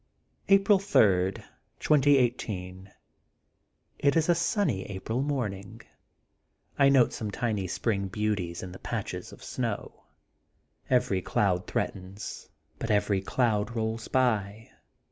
April 3, 2018: — ^It is a sunny April morning. I note some tiny spring beauties in the patches of snow. Every cloud threatens, but every cloud rolls by.